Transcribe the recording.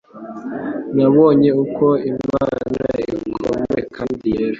Nabonye uko Imana ikomeye kandi yera